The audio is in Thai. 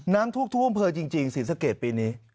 น้ำทุกทุกอำเภอจริงสีสะเกดปีนี้